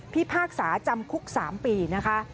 พากษาจำคุก๓ปีนะคะ